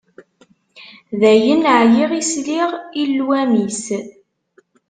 Dayen, εyiɣ i sliɣ i llwam-is.